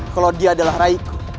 kalau dia adalah raiku